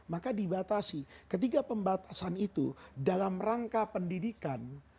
maka dibatasi ketika pembatasan itu dalam rangka pendidikan